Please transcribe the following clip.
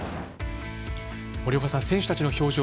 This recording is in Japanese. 森岡さん、選手たちの表情